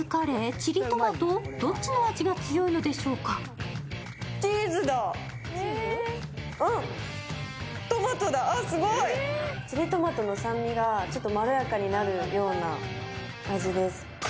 チリトマトの酸味がちょっとまろやかになるような味です。